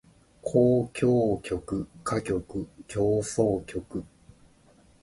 交響曲歌曲協奏曲